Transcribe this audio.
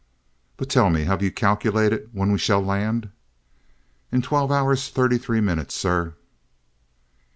"But tell me, have you calculated when we shall land?" "In twelve hours, thirty three minutes, sir."